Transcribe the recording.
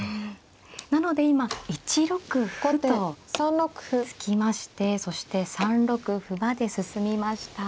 なので今１六歩と突きましてそして３六歩まで進みました。